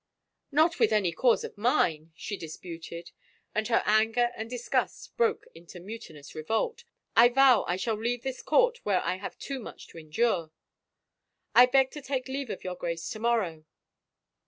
" Not with any cause of mine 1 " she disputed, and her anger and disgust broke into mutinous revolt. " I vow I shall leave this court where I have too much to endure. ... I b^ to take leave of your Grace to morrow."